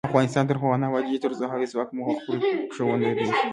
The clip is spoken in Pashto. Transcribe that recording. افغانستان تر هغو نه ابادیږي، ترڅو هوايي ځواک مو پخپلو پښو ونه دریږي.